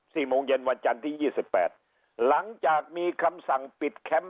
โมงเย็นวันจันทร์ที่ยี่สิบแปดหลังจากมีคำสั่งปิดแคมป์